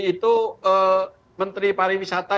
itu menteri pariwisata